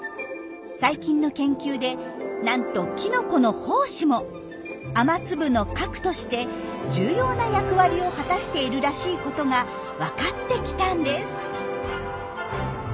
最近の研究でなんとキノコの胞子も雨粒の核として重要な役割を果たしているらしいことがわかってきたんです。